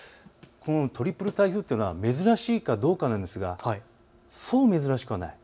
このトリプル台風というのは珍しいかどうかなんですがそう珍しくはない。